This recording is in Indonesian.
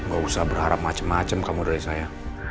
gak usah berharap macem macem kamu dari saya